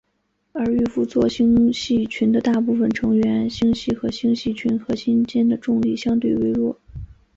而玉夫座星系群的大部分成员星系和星系群核心间的重力相当微弱。